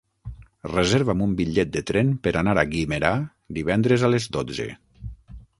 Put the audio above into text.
Reserva'm un bitllet de tren per anar a Guimerà divendres a les dotze.